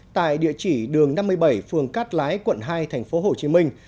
tại địa chỉ đường năm mươi bảy phường cát lái quận hai tp hcm